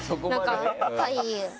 はい。